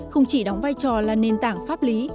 không chỉ đóng vai trò là nền tảng pháp lý